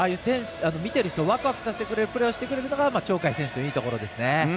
見てる人をワクワクさせるプレーをしてくれるのが鳥海選手のいいところですね。